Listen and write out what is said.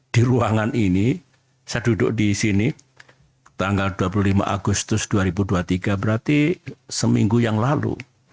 di ruangan ini saya duduk di sini tanggal dua puluh lima agustus dua ribu dua puluh tiga berarti seminggu yang lalu